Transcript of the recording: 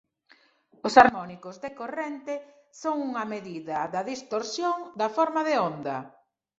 Os harmónicos de corrente son unha medida da distorsión da forma de onda.